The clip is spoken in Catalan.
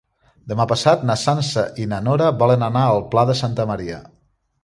Demà passat na Sança i na Nora volen anar al Pla de Santa Maria.